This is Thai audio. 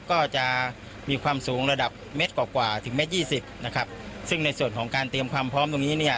ก็จะมีความสูงระดับเม็ดกว่ากว่าถึงเมตรยี่สิบนะครับซึ่งในส่วนของการเตรียมความพร้อมตรงนี้เนี่ย